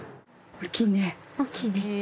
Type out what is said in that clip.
大きいね。